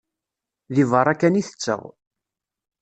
Deg berra kan i tetteɣ.